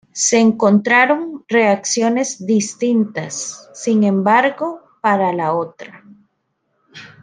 Se encontraron reacciones distintas, sin embargo, para la otra.